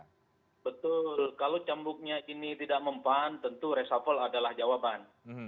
betul kalau cambuknya ini tidak mempan tentu reshuffle adalah jawaban